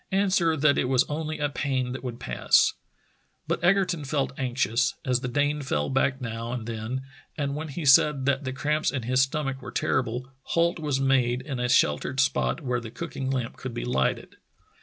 answer that it was only a pain that would pass. But Egerton felt anxious, as the Dane fell back now and then, and when he said that the cramps in his stomach were terrible, halt was made in a sheltered spot where the cooking lamp could be lighted.